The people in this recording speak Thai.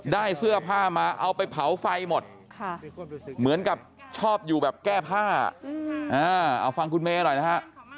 ได้เสื้อผ้ามาเอาไปเผาไฟหมดเหมือนกับชอบอยู่แบบแก้ผ้าเอาฟังคุณเมย์หน่อยนะฮะ